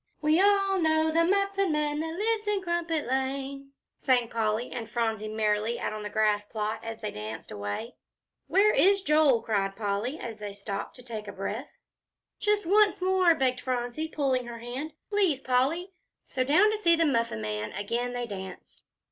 "We all know the Muffin Man that lives in Crumpet Lane," sang Polly and Phronsie merrily, out on the grass plot, as they danced away. "Where is Joel?" cried Polly, as they stopped to take breath. "Just once more," begged Phronsie, pulling her hand; "please, Polly." So down to see the Muffin Man again they danced.